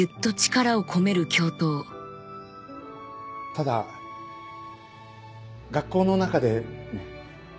ただ学校の中でね。